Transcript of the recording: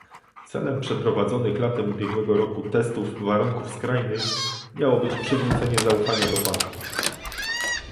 Celem przeprowadzonych latem ubiegłego roku testów warunków skrajnych miało być przywrócenie zaufania do banków